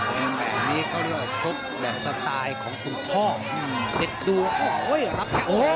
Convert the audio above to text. ตัวเองแบบนี้เขาเรียกชบแบบสไตล์ของดุข้อเห็นตัวโอ้ยระพัก